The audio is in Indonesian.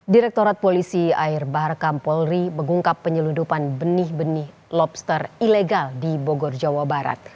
direktorat polisi air bahar kampolri mengungkap penyeludupan benih benih lobster ilegal di bogor jawa barat